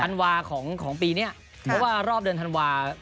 ธันวาของปีนี้เพราะว่ารอบเดือนธันวา